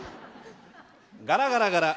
ガラガラガラ。